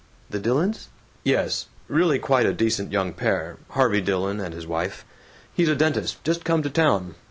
"The Dillons?" "Yes. Really quite a decent young pair Harvey Dillon and his wife. He's a dentist, just come to town.